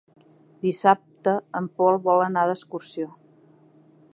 Dissabte en Pol vol anar d'excursió.